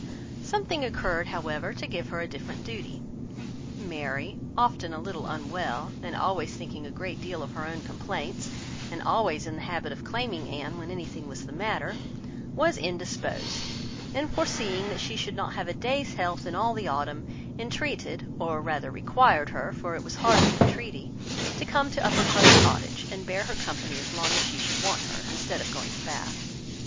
Something occurred, however, to give her a different duty. Mary, often a little unwell, and always thinking a great deal of her own complaints, and always in the habit of claiming Anne when anything was the matter, was indisposed; and foreseeing that she should not have a day's health all the autumn, entreated, or rather required her, for it was hardly entreaty, to come to Uppercross Cottage, and bear her company as long as she should want her, instead of going to Bath.